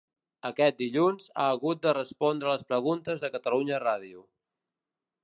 Aquest dilluns ha hagut de respondre les preguntes de Catalunya Ràdio.